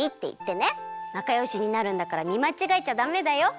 なかよしになるんだからみまちがえちゃダメだよ。